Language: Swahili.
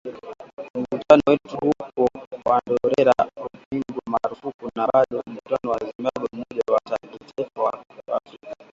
Mkutano wetu huko Marondera ulipigwa marufuku na bado mkutano wa Zimbabwe Umoja wa Kitaifa wa Afrika.